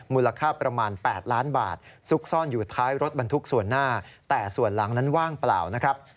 มูลค่าประมาณ๘ล้านบาทซุกซ่อนอยู่ท้ายรถบรรทุกส่วนหน้าแต่ส่วนหลังนั้นว่างเปล่านะครับ